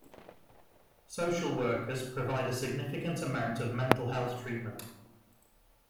Social workers provide a significant amount of mental health treatment.